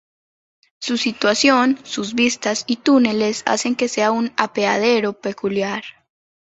Su situación, sus vistas y túneles hacen que sea un apeadero peculiar.